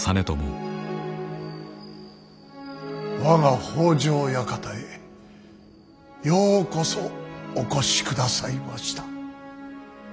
我が北条館へようこそお越しくださいました。